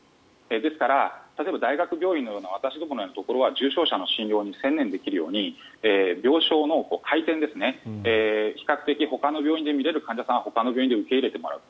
ですから、例えば大学病院のような私どものところは重症者の診療に専念できるように病床の回転ですね比較的ほかの病院で診れる患者さんはほかの病院で受け入れてもらう。